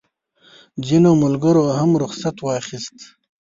ځینو ملګرو هم رخصت واخیست.